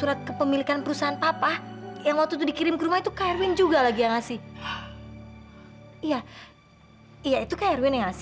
katanya kamu ada rapat yang harus ditinggalkan di kantor